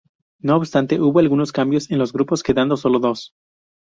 No obstante, hubo algunos cambios en los grupos quedando solo dos.